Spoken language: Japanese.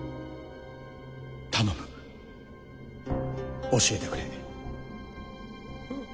頼む教えてくれ。